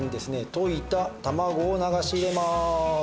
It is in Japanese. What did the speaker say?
溶いた卵を流し入れます。